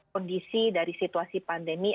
kondisi dari situasi pandemi